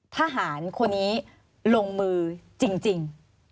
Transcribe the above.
ทหารคนนี้ลงมือจริง